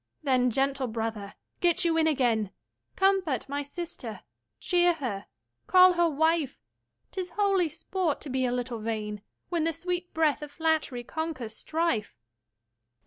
Then, gentle brother, get you in again; 25 Comfort my sister, cheer her, call her wife: 'Tis holy sport, to be a little vain, When the sweet breath of flattery conquers strife.